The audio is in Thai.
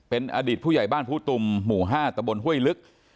เป็นอดีตผู้ใหญ่บ้านผู้ตุมหมู่๕ตะบนห้วยลึก